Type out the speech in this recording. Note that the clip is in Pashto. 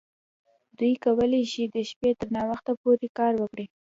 دوی کولی شي د شپې تر ناوخته پورې کار وکړي